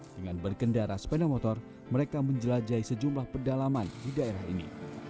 dengan berkendara sepeda motor mereka menjelajahi sejumlah pedalaman di daerah ini